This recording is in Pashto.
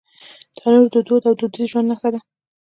تنور د دود او دودیز ژوند نښه ده